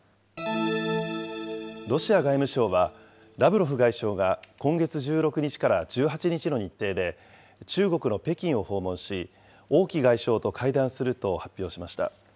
ロシア外務省は、ラブロフ外相が今月１６日から１８日の日程で、中国の北京を訪問し、王毅外相と会談すると発表しました。